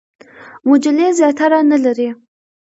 مجلې زیاتره نه لري.